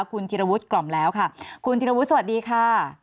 คุณธิรวุฒิกล่อมแล้วค่ะคุณธิรวุฒิสวัสดีค่ะ